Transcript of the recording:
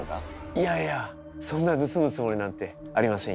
いやいやそんな盗むつもりなんてありませんよ。